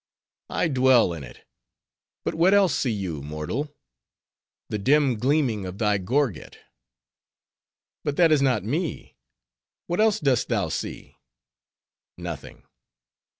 "I dwell in it. But what else see you, mortal?" "The dim gleaming of thy gorget." "But that is not me. What else dost thou see?" "Nothing."